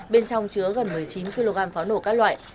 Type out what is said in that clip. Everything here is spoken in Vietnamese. bên trong chứa gần một mươi chín kg pháo nổ các loại